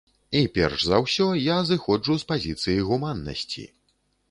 І перш за ўсё, я зыходжу з пазіцыі гуманнасці.